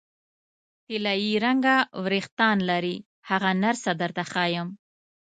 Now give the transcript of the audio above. طلايي رنګه وریښتان لري، هغه نرسه درته ښیم.